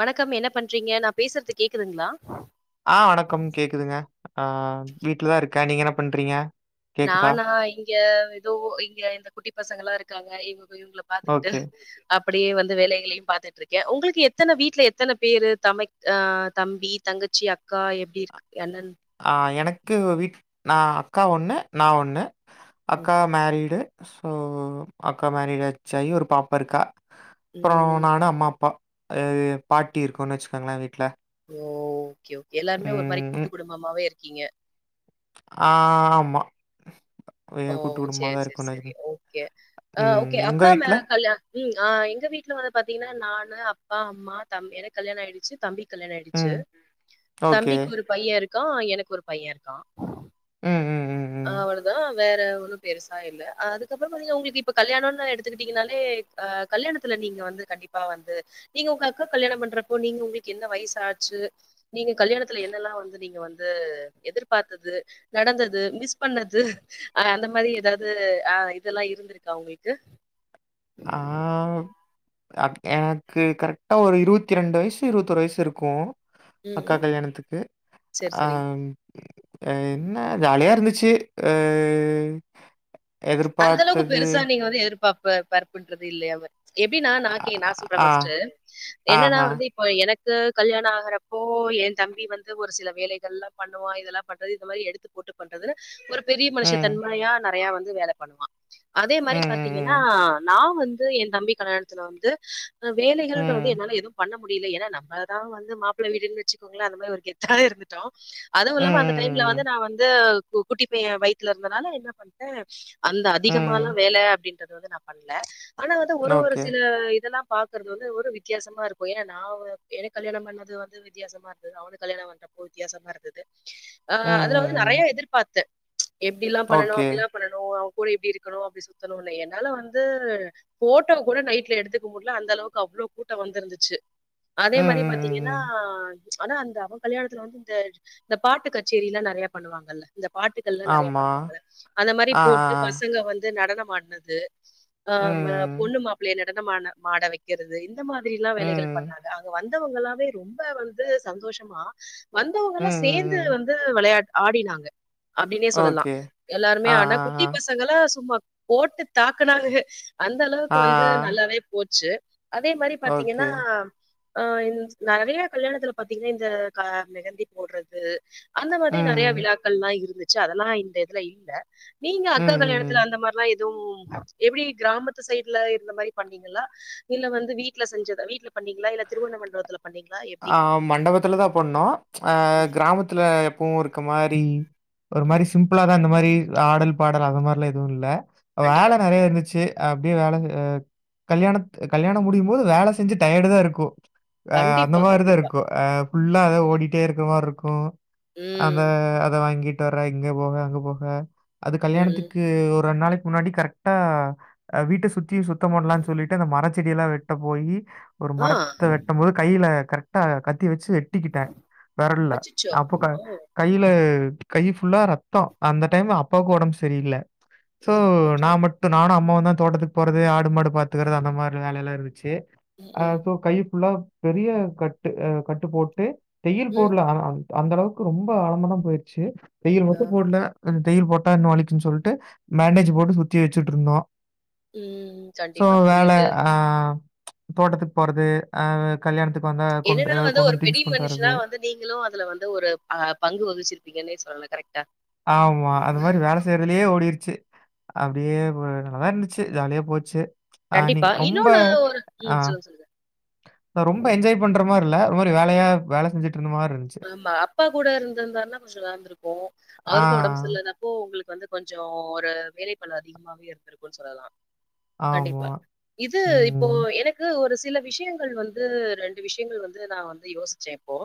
வணக்கம் என்ன பண்றீங்க நா பேசுறது கேக்குதுங்களா ஆ வணக்கம் கேக்குதுங்க ஆ வீட்லதான் இருக்கே நீங்க என்ன பண்றீங்க கேக்குதா? நானா இங்க ஏதோ இங்க இந்த குட்டி பசங்கல்லா இருக்காங்க இவங்க இவங்கள பாத்துக்கிட்டு ஓகே. அப்படியே வந்து வேலைகளையூ பாரத்துட்டு இருக்கே உங்களுக்கு எத்தன வீட்டுல எத்தன பேரு த ஆ தம்பி தங்கச்சி அக்கா எப்டி இருக் என்னன்னு அ எனக்கு வீட் நா அக்கா ஒன்னு நா ஒன்னு ம், அக்கா மேரிடு சோ அக்கா மேரிடு ஆச்ச சாயி ஒரு பாப்பா இருக்கா அப்பறோ ம். நானு அம்மா அப்பா பாட்டி இருக்கோன் வச்சுக்கோங்களே வீட்டுல ஒ ஓகே ஓகே எல்லாருமே ஒரு மாரி கூட்டு குடும்பமாவே இருக்கீங்க ஆ மா ஓ சரி சரி இருக்கும்னு சரி வச்சுக்கோங்க. ஓகே ஓக்கே ம். உங்க அக்கா வீட்ல? மேர் கல்யாணோ ம் ஆ எங்க வீட்டுல வந்து பாத்தீங்கன்னா நானு அப்பா அம்மா தம்பி எனக் கு கல்யாணம் ஆயிடுச்சு தம்பிக் கல்யாணோ ஆயிடுச்சு ம். ஓகே. தம்பிக்கு ஒரு பையெ இருக்கா எனக்கு ஒரு பையெ இருக்கா ம் ம் ம் ம். அவ்வளதா வேற ஒன்னும் பெருசா இல்ல அ அதுக்கப்புறோ பாத்தீங்கன்னா உங்களுக்கு இப்ப கல்யாணம்னு எடுத்துக்கிட்டீங்கன்னாலே அ கல்யாணத்துல நீங்க வந்து கண்டிப்பா வந்து நீங்க உங்க அக்கா கல்யாணோ பண்றப்போ நீங்க உங்களுக்கு என்ன வயசு ஆச்சு நீங்க கல்யாணத்துல என்னெல்லா வந்து நீங்க வந்து எதிர்பார்த்தது நடந்தது மிஸ் பண்ணது அ அந்த மாரி ஏதாவது ஆ இதெல்லா இருந்திருக்கா உங்களுக்கு ஆ அப் எனக்கு கரெக்டா ஒரு இருவத்தி ரெண்டு வயசு இருபத்தொரு வயசு இருக்கோ ம். அக்கா ம். கல்யாணத்துக்கு சரி, சரி. அம் என்ன ஜாலியா இருந்துச்சு அ அந்த அளவுக்கு எதிர்பார்த்தது பெருசா நீங்க வந்து எதிர்பார்ப்பு பரப்புன்றது இல்லையமே எப்படின்னா அ நாக்கே நா சொல்றேன ஆ, பர்ஸ்ட்டு என்னன்னா ஆஹா. வந்து இப்ப எனக்கு கல்யாணோ ஆகறப்போ என் தம்பி வந்து ஒரு சில வேலைகள்ல்லா பண்ணுவா இதெல்லா பண்றது இதெல்லா எடுத் போட்டு பண்றது ஒரு பெரிய மனுஷ ம். தன்மையா நறய வந்து வேலைப் பண்ணுவான் அதே ம், மாதிரி பாத்தீங்கன்னா ம், நா வந்து எ தம்பி கல்யாணத்துல வந்து வேலைகள் ம். வந்துட்டு ம். என்னால எதுவும் பண்ணமு டியல ஏன்னா நம்ம தா வந்து மாப்பிள வீடுன்னே வச்சுகோங்களே அந்த மாதிரி ஒரு கெர்த்தவே இருந்துட் டோம் அது ம், இல்லமா அந்த டைம்ல வந்து ம், நா வந்து குட்டி பையன் வயித்தல இருந்தனால என்ன பண்டே அந்த ம். அதிகமல்லாம ம். வேல அப்படின்னு மத்தது வந்து நா பண்ல ஆனா வந்து ஒரு ஒரு ஓகே. சில இதெல்லா பாக்குறது வந்து ஒரு வித்தியாசமா இருக்கும் ஏ நா வந் எனக் கல்யாணம் பண்ணது வந்து வித்தியாசமா இருந்தது அவனுக்கு கல்யணம் வந் ரொம்ப வித்தியாசம இருந்த து ஆ ம், அதுல வந்து ம், ம். நறய எதிர்பார்த்தே எப்படில்லா ஓகே. பண்ணனோஅப்படிலா பண்ணனோ கூட இப்படி இருக்கணோ அப்படி சுத்தணோ இல்ல என்னால வந்து ஃபோட்டோ கூட நைட்ல எடுத்துக்க முட்ல அந்த அளவுக்கு அவ்ளவ் கூட்டம் வந்திருந்துச்சு அதே ம், மாதிரி ம், பாத்தீங்கன்னா ம், ம். ஆனா அந்த அவங் கல்யாணத்துல வந்து இந்த இந்த பாட்டு கச்சேரில்லா நெறையா பண்ணுவாங்கல்ல இந்த பாட்டுகள்ல்லா நெறைய ஆமா. பண்ணுவாங்களா அந்த மாரி ஆ, போட் ஆ, ஆ. டவங்க வந்து நடனம் ஆட்னது ஆ ம ம். பொண்ணு மாப்புள்ளைய நடனமான மாட வெக் கிறது இந்த மாதிரிலா வேலைகள் ம். பண்ணாங்க அங்க வந்தவங்க எல்லாமே ரொம்ப வந்து சந்தோஷமா ம், வந்தவங்கள்ளா சேந்து ம், ம். வந்து விளையாட ஆடினாங்க அப்டினே சொல்லலா ஓகே. ஆ, எல்லாருமே ஆனா ஆ, குட்டி ஆ. பசங்கல்லா சும்மா போட்டு தாக்குனாங்க அந்த அளவுக்கு ஆ. வந்து நல்லாவே போச்சு அதே மாரி ஓகே. பாத்தீங்கன்னா ஆ இந் நெறைய கல்யாணத்துல பாத்தீங்கன்னா இந்த க மெஹந்தி போடுறது அந்த மாதிரி நெறைய ம். விழாக்கள்லா இருந்துச்சு அதெல்லா இந்த இதுல இல்ல நீங் ம், அக்கா ம், கல்யாணத்துல ம். அந்த மார்லா எதுவும் எப்டி கிராமத்து சைடுல இருந்த மாரி பண்ணீங் களா இல்ல வந்து வீட்ல செஞ்சத வீட்ல பண்ணீங்களா இல்ல திருவணமண்டவத்துல பண்ணீங்ளா எப் ஆ மண்டவத்துலதா பண்ணோ அ ம். கிராமத்துல எப்பவு இருக்க மாரி ஒரு மாரி சிம்பிளாதா இந்த மாரி ஆடல் பாடல் அந்த மார்ல்லா எதுவு இல்ல வேல கண்டிப்பா, கண்டிப்பா. நெறைய இருந்துச்சு அப்டியே வேல செ ஹ கல்யாண கல்யாணம் முடியும் போது வேல செஞ்சு டயர்டுதா இருக்கு அ அந்த கண்டிப்பா, மாரிதா கண்டிப்பா. இருக்கு அ ஃபுல்லா அத ஓடிட்டே இருக்க மார்ருக்கு அந்த ம். அத வாங்கிட்டு வர்ற இங்க போக அங்க போக அது ம். கல்யாணத்துக்கு ஒரு ரெண்டு நாளைக்கு முன்னாடி கரெக்டா ஆ வீட்ட சுத்தி சுத் தம் பண்லானு சொல்லிட்டு அந்த மர செடியல்லா வெட்ட போயி ஒரு ஆ. மரத்த வெட்டும் போது கைல கரெக்டா கத்தி வச்சு வெட்டிக்கிட்டே வெரல அச்சச்சோ! அப்ப க ஓ! கையில கை ஃபுல்லா ரத்தோ அந்த டைம் அப்பாக்கு ஒடம்பு சரியில்ல சோ அச்சச்சோ! நா மட் டு நானு அம்மாவுந்தா தோட்டத்துக்கு போறது ஆடு மாடு பாத்துக்கறது அந்த மாரி வேலைல்லா இருந்துச்சு ம், அ சோ கை ஃபுல்லா பெரிய கட்டு அ கட்டு போட்டு தையில் ம், போடல ஆனா அந்த அளவுக்கு ரொம்ப ஆழமதா போயிடுச்சு தையில் ஆ. மட்டு போடல தையில் போட்டா இன்னு வலிக்குன்னு சொல்ட்டு மேண்டேஜ் போட்டு சுத்தி வச்சிட்டுருந்தோ ம். சோ கண்டிப்பா வேல புரியுது. ஆ தோட்டத்துக்கு போறது அ கல்யாணத்துக்கு வந்தா கொண்டு என்னனா ஏதாவது வந்து கொண்டு ஒரு பெரிய திங்ஸ் கொண்டு மனுஷனா வரது. வந்து நீங்களு அதுல வந்து ஒரு அ பங்கு வகிச்சிருப்பீங்கன்னே சொல்லலா கரெக்டா ஆமா அது மாரி வேல செய்யறதுலே ஓடிடுச்சு அப்டியே போ நல்லாதா இருந்துச்சு ஜாலியா போச்சு அ நீ கண்டிப்பா. ரொம்ப இன்னொன்னு ஒரு ஆ ம் சொல்லுங்க, சொல்லுங்க. ரொம்ப என்ஜாய் பண்ற மாரி இல்ல ஒரு மாரி வேலையா வேல செஞ்சுட்டு இருந்த மாரி இருந் ஆமா அப்பா கூட இருந்திருந்தார்ன்னா கொஞ்சொ நல்லாந்துருக்கு ஆ அவுருக்கு ஒடம்பு சரியில்லாத ப்போ உங்களுக்கு வந்து கொஞ்சோ ஒரு வேலைப்பழு அதிகமாவே இருந்துருக்குன் சொல்லலா ஆமா. கண்டிப்பா இது இப்போ ம். எனக் கு ஒரு சில விஷயங்கள் வந்து ரெண்டு விஷயங்கள் வந்து நா வந்து யோசிச்சே இப்போ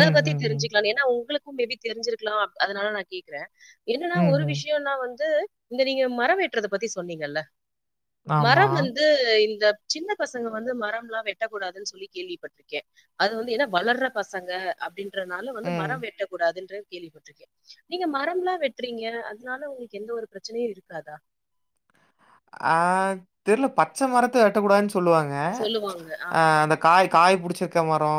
ம் பத்தி ம் ம். தெரிஞ்சுக்கலானு ஏனா உங்களுக்கு மேபி தெரிஞ்சிருக்கலா அதனால நா கேக்குறே என்னனா ம் ஒரு ம். விஷயோனா வந்து இந்த நீங்க மரோ வெட்றத பத்தி சொன்னீங்கல்ல ஆமா. மரம் வந்து இந்த இந்த சின்ன பசங்க வந்து மரம்லா வெட்டக்கூடாதுன்னு சொல்லி கேள்விப்பட்டுருக்கே அது வந்து ஏனா வளர்ற பசங்க அப்டின்றனால வந்து ம். மரம் வெட்டக்கூடாதுன்று கேள்விப்பட்டிருக்கே நீங்க மரம்லா வெட்டுறீங்க அதனால உங்களுக்கு எந்த ஒரு பிரச்சனையு இருக்காதா ஆ தெர்ல பச்ச மரத்த வெட்டக்கூடாதுனு சொல்லுவாங்க சொல்லுவாங்க. ஆ ஆமா. அந்த காய் காய் புடிச்சிருக்க மரோ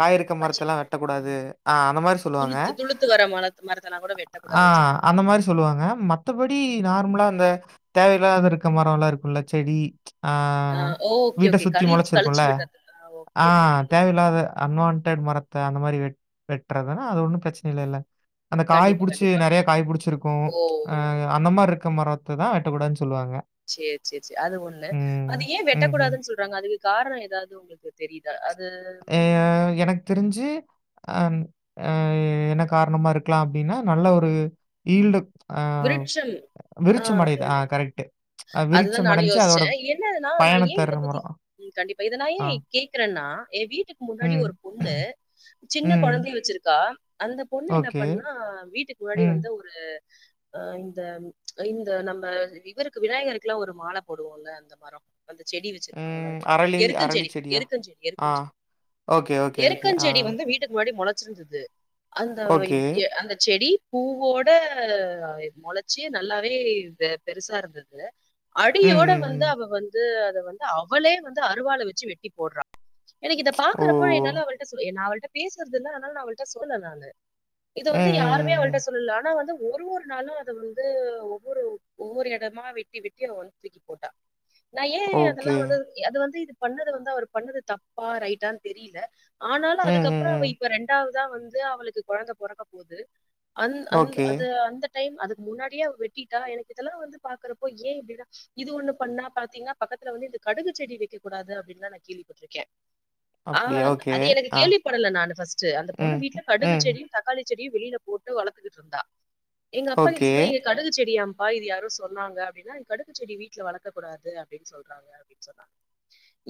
காய் இருக்க பச்சை மரத்தெல்லா மரம். ம். வெட்டக்கூடாது ஆ அந்த மாரி சொல்லுவாங்க துளுத்து துளுத்து வர மர மரத்தெல்லாம் கூட ஆ வெட்டக்கூடாதுன்னு சொல்லுவாங்க அந்த மாரி சொல்லுவாங்க மத்தபடி நார்மலா அந்த ல்லாத இருக்க மரோ எல்லா இருக்கு இல்ல செடி ஆ ஆ ஓகே வீட்டை ஓகே சுத்தி களி கழிச்சு மொளைச்சிருக்குல விடுறது ஆ ஓகே புரியுது தேவையில்லாத அன்வான்டட் மரத்தை அந்த மாரி வெட் வெட்டுறதுனா அது ஒன்னு பிரச்ச னையில்ல அந்த காய் கண்டிப்பா புடிச்சு கண்டிப்பா நெறைய காய் புடிச்சிருக்கு ஓ அ அந்த மாரி இருக்க மர த்ததா வெட்டக்கூடாதுன்னு சொல்லுவாங்க சேரி சேரி சேரி அது ஒண்ணு ம் அது ஏ ம்ஹ்ம். வெட்டக்கூடாதுன்னு சொல்றாங்க அதுக்கு காரணோ ஏதாது உங்களுக்கு தெரியுதா அது ஏ எனக் தெருஞ்சு அம் அ என்ன காரணமா இருக்கலாம் அப்புடின்னா நல்ல ஒரு ஈல்டு அ விருட்சம் ஆ விருட்சம் அடையுது. அது ஆ கரெக்ட்டு. அ அதுதா விருட்சம் நானு அடைஞ்சு யோசிச்சே அதோட என்னன்னா நா பயணத் ஏ இத தர்ற பத்தி மரம். ம் கண்டிப்பா இத நா ஏ ஆ. கேக்குறேன்னா எ வீட்டுக்கு முன்னாடி ம். ஒரு பொண்ணு சின்ன ம். கொழந்தைய வச்சிருக்கா அந்த பொண்ணு என்ன ஓகே. பண்ணா வீட்டுக்கு முன்னாடி ம். வந்த ஒரு அ இந்த இந்த நம்ம இவருக்கு விநாயகருக்கு எல்லா ஒரு மாலை போடுவோல்ல அந்த மரோ அந்த செடி வச்சிருந்தோ அது ம். என்னது அரளி அரளி எருக்கஞ்செடி செடியா? எருக்கஞ்செடி ஆ. எருக்கஞ்செடி ஓகே, ஓகே, ஓகே. ஆ. எருக்கஞ்செடி வந்து வீட்டுக்கு முன்னாடி மொளச்சிருந்தது அந்த ஓகே. எ அந்த செடி பூவோட த மொளச்சு நல்லாவே வெ பெருசா இருந்தது ம், அடியோட ம், வந்து ம். அவ வந்து அத வந்து அவளே வந்து அருவால வெச்சு வெட்டி போடுறா எனக்கு இத ஓ! பாக்குறப்போ என்னால அவள்ட்ட சொ என் அவள்ட்ட பேசுறது இல்ல அதனால நா அவள்ட்ட சொல்ல நானு இத ம், வந்து ம், யாருமே ம், ம். அவள்ட்ட சொல்லல ஆனா வந்து ஒரு ஒரு நாளு அத வந்து ஒவ்வொரு ஒவ்வொரு எடமா வெட்டி வெட்டி அவ வந்து தூக்கி போட்டா நா ஏ அதெல்லா ஓகே. வந்து அது வந்து இது பண்ணது வந்து அவர் பண்ணது தப்பா ரைட்டான்னு தெரியில ஆனாலு ம், ம், அதுக்கப்புறோ அவ ம். இப்ப ரெண்டாவத வந்து அவளுக்கு கொழந்த பொறக்க போது அந் அந் ஓகே. அது அந்த டைம் அதுக்கு முன்னாடியே அவ வெட்டிட்டா எனக்கு இதெல்லா வந்து பாக்குறப்போ ஏ எப்டின்னா இது ஒண்ணு பண்ணா பாத்தீங்கன்னா பக்கத்துல வந்து இந்த கடுகு செடி வெக்க கூடாது அப்டின்டுதா நா கேள்விப்பட்ருக்கே ஆ அப்படியா? ஓகே. அது எனக்கு ஆ. கேள்வி படல நானு ஃபர்ஸ்ட் அந்த பொண்ணு ம், வீட்ல கடுகு ம். செடி தக்காளி செடியு வெளில போட்டு வளத்துகிட்டு இருந்தா எங்க அப்பாகிட்ட ஓகே. சொன்னா எ கடுகு செடியாம்பா இது யாரோ சொன்னாங்க அப்டின்னா கடுகு செடி வீட்ல வளக்கக்கூடாது அப்டின்னு சொல்றாங்க இது சொன்னா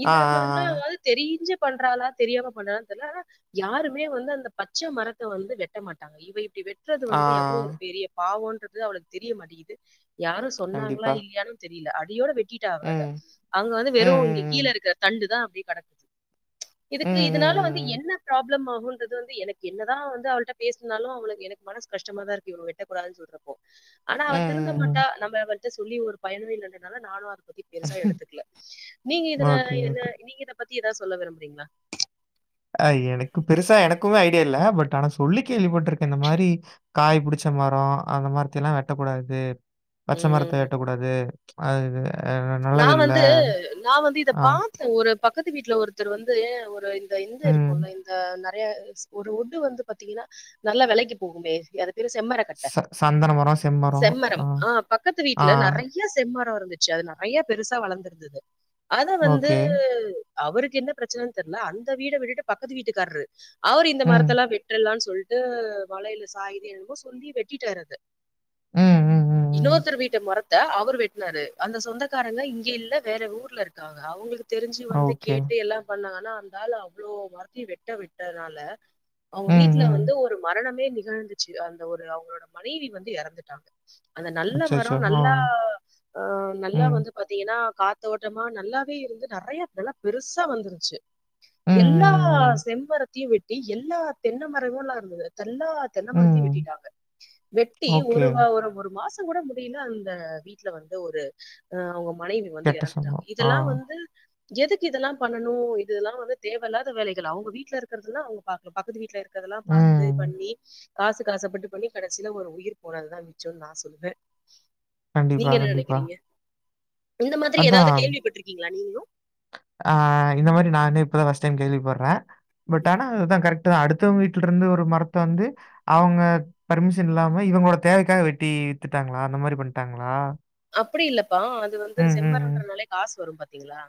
ஆ, ஆ, இத மாரிலா அவா தெரிஞ்சு பண்றாளா தெரியாம பண்றால தெர்ல்ல ஆனா யாருமே வந்து அந்த பச்ச மரத்த வந்து வெட்ட மாட்டாங்க இவ இப்டி வெட் வெட்றது ஆ. வந்து எவ்ளோ ஒரு ஆ, பெரிய பாவோன்றது அவளுக்கு தெரிய மாட்டேக்குது யாரு சொன்னாங்களா கண்டிப்பா. இல்லையானு தெரில அடியோட வெட்டிடா அவ அத ம். அங்க வந்து ம், வெறு இங்க ம், கீழ ம். இருக்ற தண்டுதா அப்டியே கடக்குது ம், இதுக்கு இதனால வந்து ம், என்ன ப்ராப்ளம் ஆகுன்றது வந்து எனக்கு என்னதா வந்து அவள்ட்ட பேசுனாலு அவளுக்கு எனக்கு மனசு கஷ்டமா தா இருக்கு இவ்ளுவே ட்ட கூடாது சொல்றப்போ ஆனா ம், ம். அவ திருந்த மாட்டா ம். நம்ம அவள்ட சொல்லி ஒரு பயணு இல்லனால நானு அத பத்தி பெருசா ம். எடுத்துக்கல நீங்க இதுல ஓகே, என்ன ஓகே. நீங்க இத பத்தி ஏதாது சொல்ல விரும்புறீங்களா அ எனக்கு பெருசா எனக்குமே ஐடியா இல்ல பட் ஆனா சொல்லி கேள்விப்பட்ருக்கே இந்த மாரி காய் புடிச்ச மரோ அந்த மரத்தியெல்லா வெட்டக்கூடாது பச்ச மரத்த ம் வெட்டக்கூடாது அது அ நா நல்லதில்ல. வந்து நா வந்து ஆ. இதப்பாத் ஒரு பக்கத்து வீட்ல ஒருத்தர் வந்து ஒரு இந்த இந்த ம். இருக்கும்ல இந்த நெறய ஒரு வுட்டு வந்து பாத்தீங்கன்னா நல்லா வெலைக்கு போகுமே அது பேரு செம்மர கட்ட ச சந்தன மரம், செம்மரம் ஆ பக்கத்து ஆ. வீட்ல நிறைய நிறைய செம்மரம் இருந்துச்சு அது நிறைய பெருசா வளந்திருந்தது அத வந்து ஓகே. அவருக்கு என்ன பிரச்சனன்னு தெரில அந்த வீட விட்டுட்டு பக்கத்து வீட்டுக்காரரு அவரு இந்த ம். மரத்தல்லா வெட்டலாம்னு சொல்ட்டு மலையில சாய்து என்னமோ சொல்லி வெட்டிட்டாரு அத ம், ம், ம், ம். இன்னோத்தர் வீட்டு மரத்த அவர் வெட்டனாரு அந்த சொந்தக் க்காரங்க இங்க இல்ல வேற ஊர்ல இருக்காங்க அவங்களுக்கு தெரிஞ்சு வந்து ஓகே. கேட்டு எல்லா பண்ணாங்கன்னா அந்த ஆளு அவ்வளோ மரத்தயும் வெட்ட விட்டதுனால அவங்க ம், வீட்ல ம். வந்து ஒரு மரணமே நிகழ்ந்துச்சு அந்த ஒரு அவங்களோட மனைவி வந்து இறந்துட்டாங்க அந்த நல்ல அச்சச்சோ! மரம் ஆ. நல்லா அ நல்லா ம். வந்து பாத்தீங்கன்னா காத்தோட்டமா நல்லாவே இருந்து நிறைய நல்ல பெருசா வந்துருச்சு ம், எல்லா ம், செம்மரத்தையு வெட்டி எல்லா தென்னமரமுல்லா இருந்தது தெல்லா ம், தென்மரத்தயு ம். வெட்டிட்டாங்க வெட்டி ஓகே. ஒரு ஒரு ஒரு மாசம் கூட முடில அந்த வீட்ல வந்து ஒரு அ அவங்க மனைவி வந்து கெட்ட இறந்துட்டாங்க சொந்தம். ஆ. இதெல்லா வந்து எதுக்கு இதெல்லா பண்ணனு இதெல்லா வந்து தேவயில்லாத வேலைகள் அவங்க வீட்டுல இருக்கிறதுதா அவங்க பாக்கனு பக்கத்து வீட்ல இருக் க்கதெல்லா பாத்து ம். பண்ணி காசு ஆசப்பட்டு பண்ணி கடசில ஒரு உயிர் போனதுதா மிச்சோன்னனு நா சொல்வேன் கண்டிப்பா கண்டிப்பா இந்த மாதிரி ஏதாவது அதான் கேள்விப்பட்டிருக்கீங்களா நீங்ளும் ஆ இந்த மாறி நானே இப்பதான் ஃபர்ஸ்ட் டைம் கேள்வி படுறேன் பட் ஆனா அதுதான் கரெக்ட் அடுத்தலங்க வீட்டுல இருந்து ஒரு மரத்த வந்து அவங்க பர்மிஷன் இல்லாம இவங்களோட தேவைக்காக வெட்டி வித்துட்டாங்களா அந்த மாறி பண்ணிட்டாங்களா அப்படி இல்லப்பா அது வந்து ம், ம், ம். செம்மரன்றனாலே காசு வரும் பாத்தீங்களா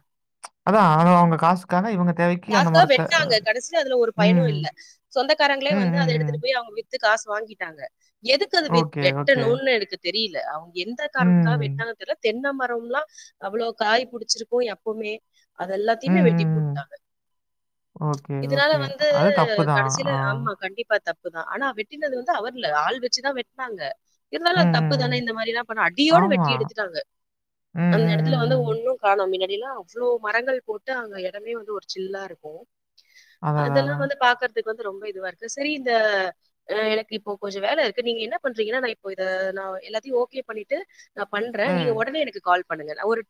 அதான் அவங்க காசுக்கான இவங்க தேவைக்கு அந்த தாத்தா மரத்த வெட்டனாங்க கடைசியில அதுல ஒரு ம். பயனும் இல்ல சொந்தக்காரங்களே ம், வந்து அத ம், எடுத்துட்டு ம். போய் அவங்க வித்து காசு வாங்கிட்டாங்க எதுக்கு அது வி ஓகே, ஓகே. வெட்டணும் இருக்கு தெரியல அவங்க எந்த காரணத்துக்காக ம். வெட்டாங்கன்னு தெரியல தென்ன மரம்ல்லாம் அவ்ளோ காய் புடிச்சிருக்கும் எப்பவுமே அது ம், எல்லாத்தையுமே வெட்டி ம், ம். போட்டாங்க ஓகே, இதனால ஓகே. வந்து அது தப்பு தான். கடைசியில ஆ. ஆமா கண்டிப்பா தப்பு தான் ஆனா வெட்டினது வந்து அவர்ல ஆள் வச்சுதான் வெட்டனாங்க ம், இருந்தாலும் அது தப்பு ம், ம். தானே இந்த மாதிரில்லாம் பண்ண அடியோட வெட்டி ஆமா. எடுத்துட்டாங்க ம், அந்த ம், இடத்துல வந்து ம், ம். ஒன்னும் காணம் மின்னாடிலாம் அவ்வளவு மரங்கள் போட்டு அங்க இடமே வந்து ஒரு சில்லா இருக்கும் அதான், அதான், அதெல்லாம் அதான். வந்து பாக்குறதுக்கு வந்து ரொம்ப இதுவா இருக்கு சரி இந்த ஆ எனக்கு இப்போ கொஞ்சம் வேலை இருக்கு நீங்க என்ன பண்றீங்கன்னா நான் இப்போ இத நான் எல்லாத்தையும் ஓகே பண்ணிட்டு நா பண்றேன் நீங்க ம். உடனே எனக்கு கால் பண்ணுங்க நான் ஒரு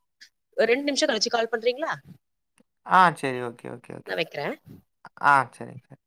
ரெண்டு நிமிஷம் கழச்சு கால் பண்றீங்களா ஆ சரி ஓகே ஓகே ஓகே நான் வைக்கிறேன். ஆ சரி சரி